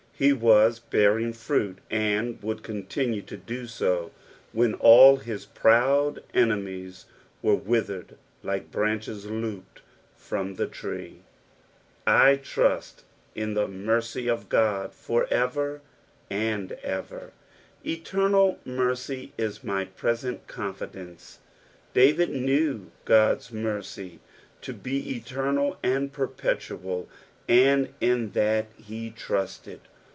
He was bearing fruit, aud would coniinue to do so when all bis proud enemies were withered like branches lopped from tbe tree. "T tnut in the merq/ of Qod for «w and, ever." Eternal mercy is my present confidence. David knew God's mercy to bo eternal and perpetual, and in that he trusted.